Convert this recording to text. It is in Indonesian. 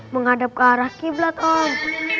menghadap ke arah qiblat om